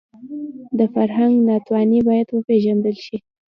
د فرهنګ ناتواني باید وپېژندل شي